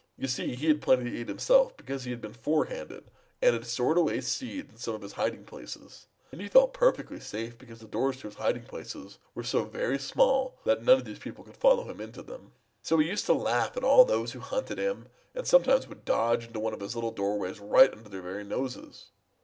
You see, he had plenty to eat himself because he had been forehanded and had stored away seeds in some of his hiding places. And he felt perfectly safe because the doorways to his hiding places were so very small that none of these people could follow him into them. "So he used to laugh at those who hunted him and sometimes would dodge into one of his little doorways right under their very noses.